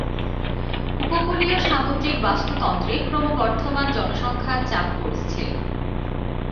উপকূলীয় সামুদ্রিক বাস্তুতন্ত্রে ক্রমবর্ধমান জনসংখ্যার চাপ পড়েছে।